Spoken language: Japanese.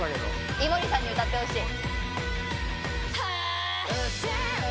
「井森さんに歌ってほしい」